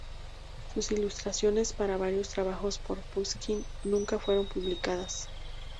Sus ilustraciones para varios trabajos por Pushkin nunca fueron publicadas.